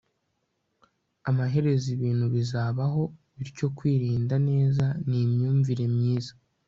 amaherezo ibintu bizabaho, bityo kwirinda neza ni imyumvire myiza